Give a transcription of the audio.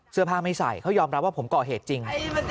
เสื้อผ้าไม่ใส่เขายอมรับว่าผมก่อเหตุจริง